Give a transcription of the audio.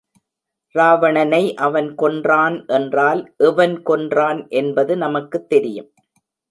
ராவணனை அவன் கொன்றான் என்றால் எவன் கொன்றான் என்பது நமக்குத் தெரியும்.